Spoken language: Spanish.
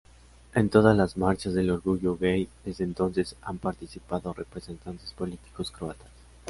En todas las marchas del orgullo gay desde entonces han participado representantes políticos croatas.